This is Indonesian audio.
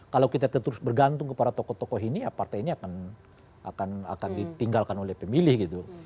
kalau kita terus bergantung kepada tokoh tokoh ini ya partai ini akan ditinggalkan oleh pemilih gitu